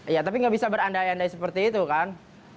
ya tapi nggak bisa berandai andai seperti itu kan